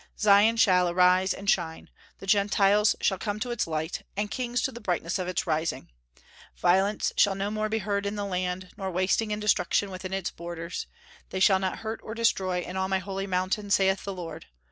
"Zion shall arise and shine.... The Gentiles shall come to its light, and kings to the brightness of its rising.... Violence shall no more be heard in the land, nor wasting and destruction within its borders.... They shall not hurt or destroy in all my holy mountain, saith the Lord....